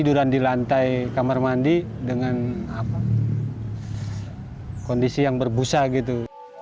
tiduran di lantai kamar mandi dengan kondisi yang berbusa gitu